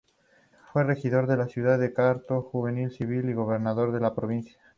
Fue Regidor de la ciudad de Cartago, Juez Civil y Gobernador de la provincia.